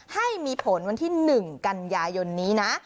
ให้มีผลวันที่๑กันยายนนี้นะ